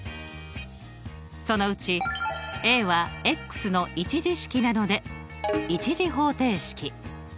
そのうちＡはの１次式なので１次方程式。